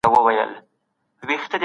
کوم عامل ټولنه بدلون ته اړ باسي؟